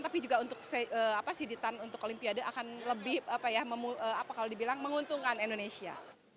tapi juga untuk siditan untuk olimpiade akan lebih apa ya kalau dibilang menguntungkan indonesia